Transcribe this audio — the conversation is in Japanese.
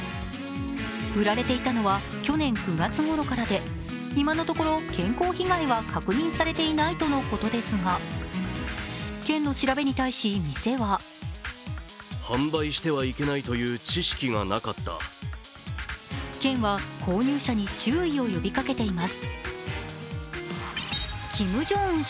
売られていたのは去年９月ごろからで今のところ健康被害は確認されていないということですが、県の調べに対し店は県は購入者に注意を呼びかけています。